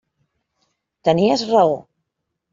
Tenies raó.